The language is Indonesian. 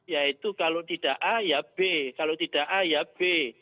yaitu kalau tidak a ya b kalau tidak a ya b